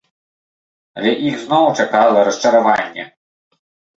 Але іх зноў чакала расчараванне.